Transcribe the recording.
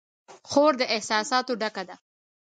خور د احساساتو ډکه ده.